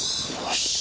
よし。